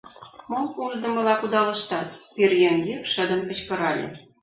Мом ушдымыла кудалыштат? — пӧръеҥ йӱк шыдын кычкырале.